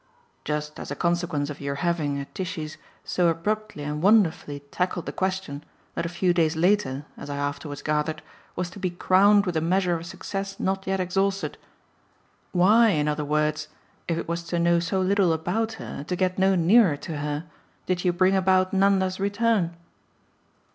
"Just as a consequence of your having, at Tishy's, so abruptly and wonderfully tackled the question that a few days later, as I afterwards gathered, was to be crowned with a measure of success not yet exhausted. Why, in other words if it was to know so little about her and to get no nearer to her did you bring about Nanda's return?"